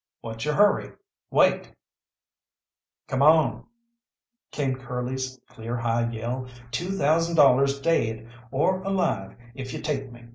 What's your hurry? Wait!" "Come on!" came Curly's clear high yell. "Two thousand dollars daid or alive if you take me!